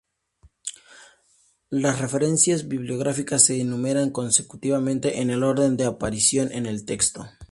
Las referencias bibliográficas se enumeran consecutivamente en el orden de aparición en el texto.